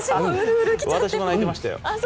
私も泣いてましたよ。